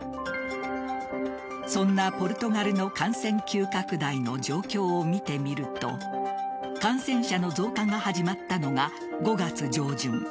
そんなポルトガルの感染急拡大の状況を見てみると感染者の増加が始まったのが５月上旬。